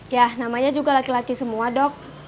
ya namanya juga laki laki semua dok